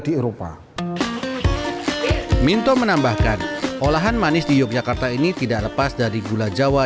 di eropa minto menambahkan olahan manis di yogyakarta ini tidak lepas dari gula jawa